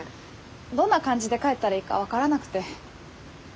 どんな感じで帰ったらいいか分からなくて。